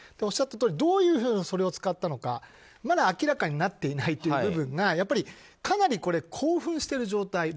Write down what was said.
おっしゃったようにどういうふうにそれを使ったのかまだ明らかになっていない部分はかなり興奮している状態。